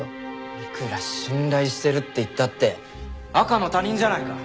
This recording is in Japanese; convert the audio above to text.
いくら信頼してるって言ったって赤の他人じゃないか。